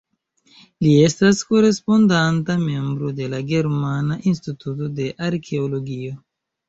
Li estas Korespondanta Membro de la Germana Instituto de Arkeologio.